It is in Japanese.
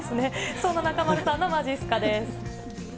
そんな中丸さんのまじっすかです。